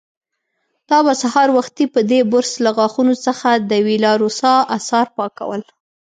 تا به سهار وختي په دې برس له غاښونو څخه د وېلاروسا آثار پاکول.